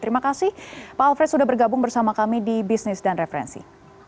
terima kasih pak alfred sudah bergabung bersama kami di bisnis dan referensi